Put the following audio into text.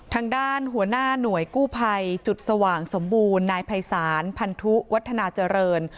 ทางด้านหัวหน้าหน่วยกู้ภัยจุดสว่างสมบูรณ์นายภัยศาลพันธุวัฒนาเจริญ